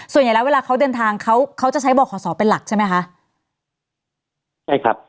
ส่วนใหญ่แล้วเวลาเขาเดินทางเขาเขาจะใช้บ่อขอสอเป็นหลักใช่ไหมคะใช่ครับ